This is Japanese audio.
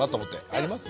あります？